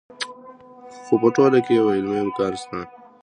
خو په ټوله کې یې عملي امکان شته.